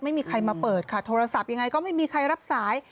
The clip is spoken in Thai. ไม่มีใครมาเปิดค่ะโทรศัพท์ยังไงก็ไม่มีใครรับสาย